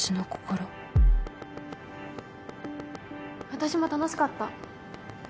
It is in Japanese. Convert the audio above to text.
私も楽しかった。